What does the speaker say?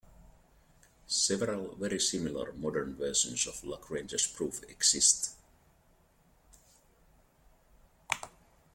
Several very similar modern versions of Lagrange's proof exist.